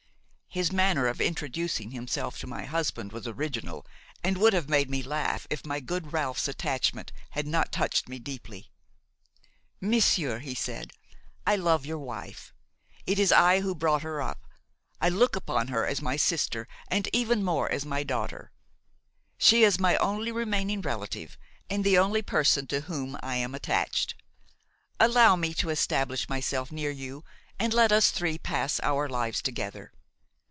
His manner of introducing himself to my husband was original, and would have made me laugh if my good Ralph's attachment had not touched me deeply. 'Monsieur,' he said, 'I love your wife; it was I who brought her up; I look upon her as my sister and even more as my daughter. She is my only remaining relative and the only person to whom I am attached. Allow me to establish myself near you and let us three pass our lives together.